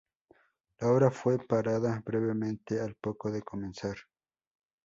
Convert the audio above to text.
La obra fue parada brevemente al poco de comenzar.